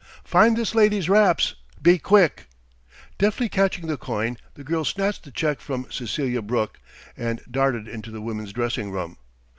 "Find this lady's wraps be quick!" Deftly catching the coin, the girl snatched the check from Cecelia Brooke, and darted into the women's dressing room.